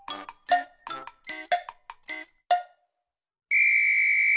ピッ！